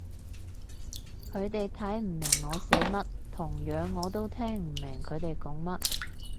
佢哋睇唔明我寫乜，同樣我都聽唔明佢哋講乜